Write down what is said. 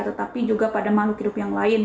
tetapi juga pada makhluk hidup yang lain